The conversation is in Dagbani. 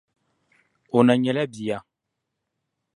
O na nyɛla bia.